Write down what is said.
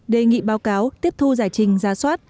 đề nghị báo cáo tiếp thu giải trình ra soát